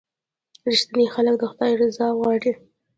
• رښتیني خلک د خدای رضا غواړي.